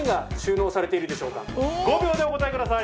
５秒でお答えください。